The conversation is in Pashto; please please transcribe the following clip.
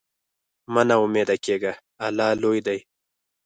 مه نا امیده کېږه، الله لوی دی.